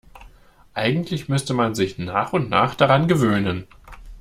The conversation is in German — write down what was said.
Eigentlich müsste man sich nach und nach daran gewöhnen.